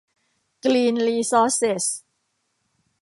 กรีน รีซอร์สเซส